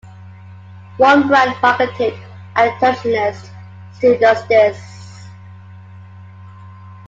One brand, marketed at traditionalists, still does this.